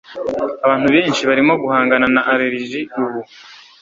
Abantu benshi barimo guhangana na allergie ubu